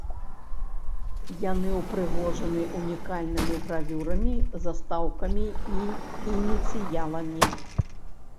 Яны ўпрыгожаны унікальнымі гравюрамі, застаўкамі і ініцыяламі.